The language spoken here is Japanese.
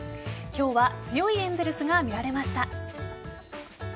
今日は強いエンゼルスが見られました。